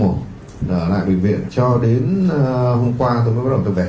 ở lại bệnh viện cho đến hôm qua tôi mới bắt đầu tập kết